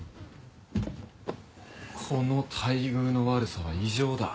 この待遇の悪さは異常だ。